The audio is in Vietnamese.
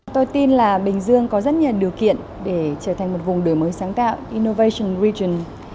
tôi tin là bình dương có rất nhiều điều kiện để trở thành một vùng đổi mới sáng tạo innovation region